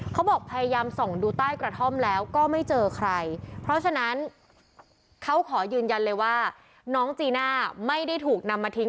เขาบอกพยายามส่องดูใต้กระท่อมแล้วก็ไม่เจอใครเพราะฉะนั้นเขาขอยืนยันเลยว่าน้องจีน่าไม่ได้ถูกนำมาทิ้ง